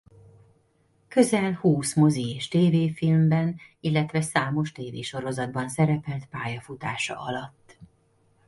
Közel húsz mozi- és tv-filmben illetve számos tv-sorozatban szerepelt pályafutása alatt.